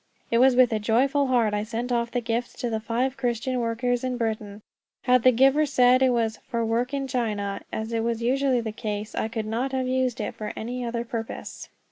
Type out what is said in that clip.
It was with a joyful heart I sent off the gifts to the five Christian workers in Britain. Had the giver said it was "for work in China," as was usually the case, I could not have used it for any other purpose.